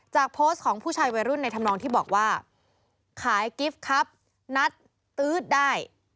โพสต์ของผู้ชายวัยรุ่นในธรรมนองที่บอกว่าขายกิฟต์ครับนัดตื๊ดได้